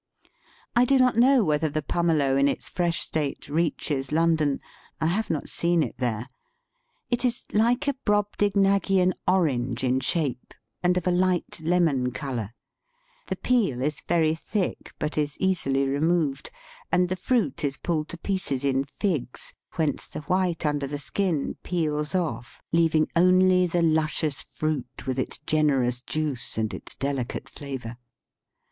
I do not know whether the pumelo in its fresh state reaches London ; I have not seen Digitized by VjOOQIC mmmmmmmmmmmmmmmmmmmmm IN THE TROPICS. 137 it there. It is like a Brobdignagian orange in shape, and of a Kght lemon colour. The peel is very thick, but is easily removed, and the fruit is pulled to pieces in figs, whence the white under the skin peels off, leaving only the luscious fruit with its generous juice and its delicate flavour.